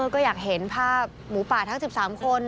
ก็อยากเห็นภาพหมูป่าทั้ง๑๓คน